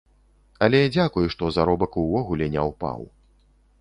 Але дзякуй, што заробак увогуле не ўпаў.